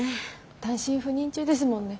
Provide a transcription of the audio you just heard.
単身赴任中ですもんね。